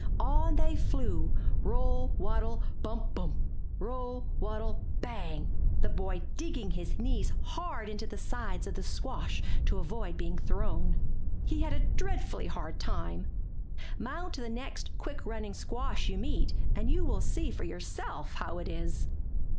On they flew, roll, waddle, bump, bumpf roll, waddle, bang> the boy digging his knees hard 206 IN THE NURSERY into the sides of the squash to avoid being thrown. He had a dreadfully hard time. Mount the next quick running squash you meet, and you will see for yourself how it is.